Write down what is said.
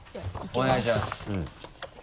お願いします。